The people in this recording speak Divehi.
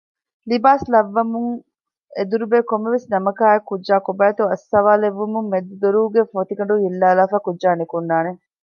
ލިބާސް ލައްވަންވުމުން އެދުރުބޭ ކޮންމެވެސް ނަމަކާއެކު ކުއްޖާ ކޮބައިތޯ އައްސަވާލެއްވުމުން މެދު ދޮރުގެ ފޮތިގަނޑު ހިއްލާލާފައި ކުއްޖާ ނިކުންނާނެ